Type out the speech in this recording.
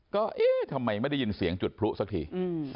ก็เอ๊ะทำไมไม่ได้ยินเสียงจุดพลุสักที